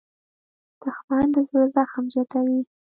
دښمن د زړه زخم زیاتوي